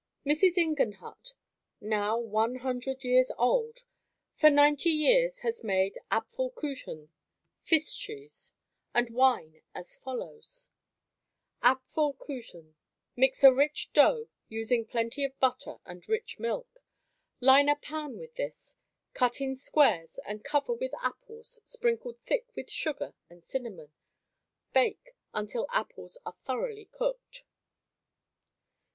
Mrs Ingenhutt, now one hundred years old, for ninety years has made "Apfel Kuchen," "Fist Cheese" and wine as follows: Apfel Kuchen Mix a rich dough using plenty of butter and rich milk. Line a pan with this, cut in squares and cover with apples sprinkled thick with sugar and cinnamon. Bake until apples are thoroughly cooked.